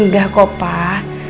gak kok pak